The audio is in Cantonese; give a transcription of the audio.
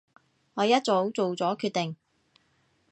我一早做咗決定